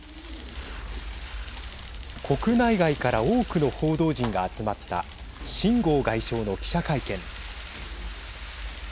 国内外から多くの報道陣が集まった秦剛外相の記者会見。